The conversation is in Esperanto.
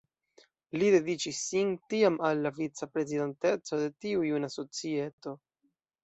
Li dediĉis sin tiam al la vica-prezidanteco de tiu juna societo.